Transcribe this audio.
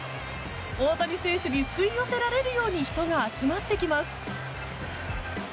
大谷選手に吸い寄せられるように人が集まってきます。